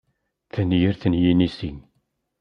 Tanyirt n yinisi.